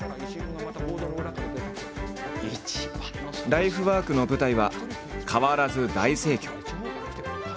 ライフワークの舞台は変わらず大盛況。